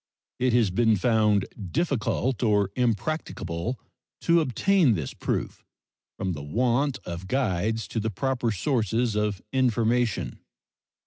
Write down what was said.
It has been found difficult or impracticable to obtain this proof, from the want of guides to the proper sources of information.